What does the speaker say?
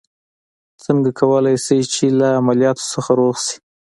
هغه څنګه کولای شي چې له عمليات څخه روغ شي.